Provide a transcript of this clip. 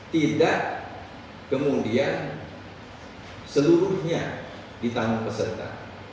tidak kemudian seluruhnya ditanggung peserta